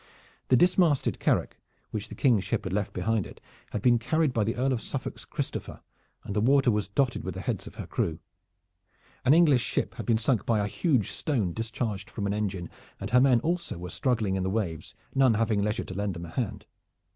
The dismasted carack, which the King's ship had left behind it, had been carried by the Earl of Suffolk's Christopher, and the water was dotted with the heads of her crew. An English ship had been sunk by a huge stone discharged from an engine, and her men also were struggling in the waves, none having leisure to lend them a hand.